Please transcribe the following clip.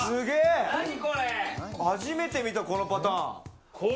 初めて見た、このパターン。